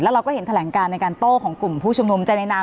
เราก็เห็นแถลงการในการโต้ของกลุ่มผู้ชุมนุมใจในนาม